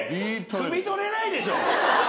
くみ取れないでしょ！